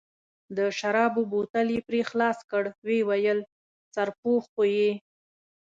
د شرابو بوتل یې پرې خلاص کړ، ویې ویل: سرپوښ خو یې.